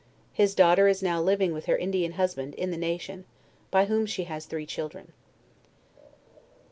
His daughter is now living with her Indian husband in the nation, by whom she has three children."